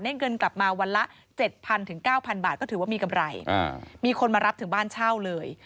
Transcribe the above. เงินกลับมาวันละ๗๐๐ถึง๙๐๐บาทก็ถือว่ามีกำไรมีคนมารับถึงบ้านเช่าเลย